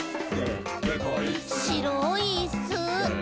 「しろいイッス！」